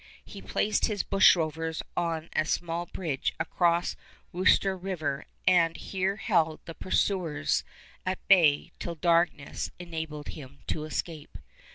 He placed his bushrovers on a small bridge across Wooster River and here held the pursuers at bay till darkness enabled him to escape.